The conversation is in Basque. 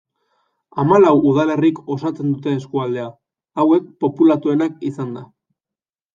Hamalau udalerrik osatzen dute eskualdea, hauek populatuenak izanda.